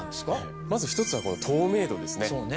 まず一つは透明度ですね。